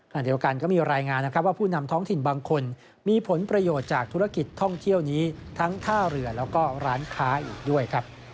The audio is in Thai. ขณะเดียวกันก็มีรายงานนะครับว่าผู้นำท้องถิ่นบางคนมีผลประโยชน์จากธุรกิจท่องเที่ยวนี้ทั้งท่าเรือแล้วก็ร้านค้าอีกด้วยครับ